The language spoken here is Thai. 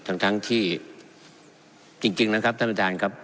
ทั้งที่จริงนะครับท่านประธานครับ